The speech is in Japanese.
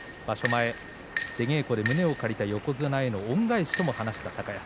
前、出稽古で胸を借りている横綱への恩返しとも話した高安